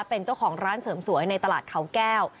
เป็นเจ้าของร้านเสริมสวยในตลาดเขาแก้ว